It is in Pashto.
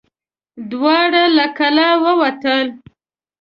دواړه له کلا ووتل.